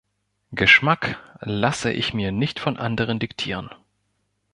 Geschmack lasse ich mir nicht von anderen diktieren.